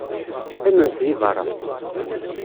Qqimemt deg beṛṛa.